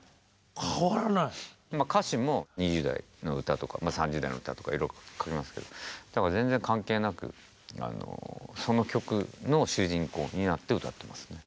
歌詞も２０代の歌とか３０代の歌とかいろいろ書きますけど全然関係なくその曲の主人公になって歌ってますね。